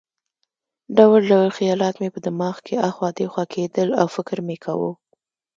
ډول ډول خیالات مې په دماغ کې اخوا دېخوا کېدل او فکر مې کاوه.